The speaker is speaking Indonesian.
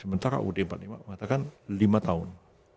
sementara uud empat puluh lima mengatakan lima tahun